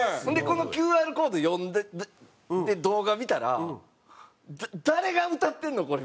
ほんでこのＱＲコード読んで動画見たら誰が歌ってるの？